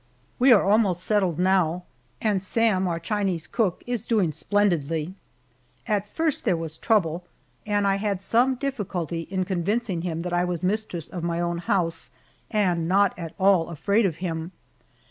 We are almost settled now, and Sam, our Chinese cook, is doing splendidly. At first there was trouble, and I had some difficulty in convincing him that I was mistress of my own house and not at all afraid of him.